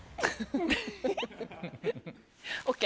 ＯＫ。